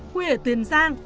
quê ở tiền giang